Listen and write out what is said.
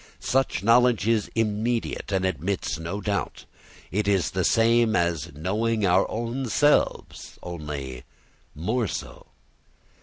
Such knowledge is immediate and admits no doubt. It is the same as knowing our own selves, only more so.